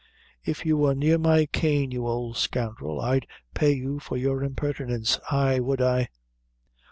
"If you were near my cane, you old scoundrel, I'd pay you for your impertinence, ay would I."